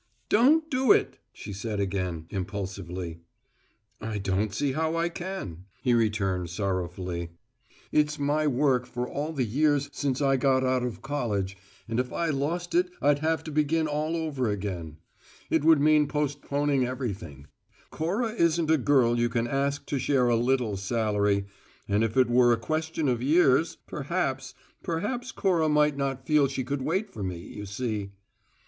"Don't do it!" she said again, impulsively. "I don't see how I can," he returned sorrowfully. "It's my work for all the years since I got out of college, and if I lost it I'd have to begin all over again. It would mean postponing everything. Cora isn't a girl you can ask to share a little salary, and if it were a question of years, perhaps perhaps Cora might not feel she could wait for me, you see."